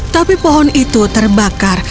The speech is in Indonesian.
tapi pohon itu terbakar